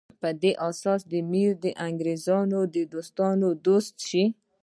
په دې اساس امیر د انګریزانو د دوستانو دوست شي.